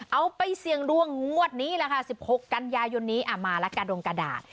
เอาไปเสี่ยงดวงงวดนี้แหละค่ะ๑๖กันยายนนี้มาละกระดงกระดาษ